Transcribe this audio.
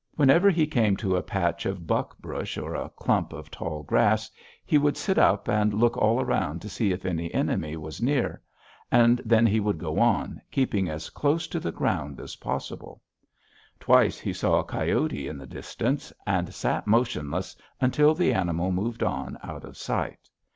Whenever he came to a patch of buck brush or a clump of tall grass, he would sit up and look all around to see if any enemy was near; and then he would go on, keeping as close to the ground as possible. Twice he saw a coyote in the distance, and sat motionless until the animal moved on out of sight.